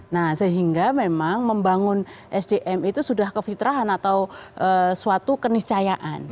nah sehingga memang membangun sdm itu sudah kefitrahan atau suatu keniscayaan